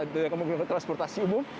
dengan transportasi umum